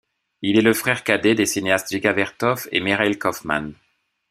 Il est le frère cadet des cinéastes Dziga Vertov et Mikhaïl Kaufman.